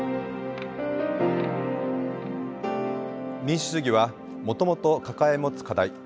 民主主義はもともと抱え持つ課題